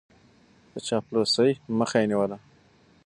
د چاپلوسۍ مخه يې نيوله.